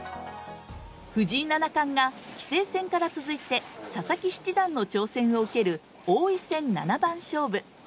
藤井七冠が棋聖戦から続いて佐々木七段の挑戦を受ける王位戦七番勝負。